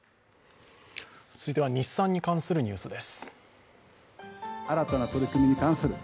続いては日産に関するニュースです。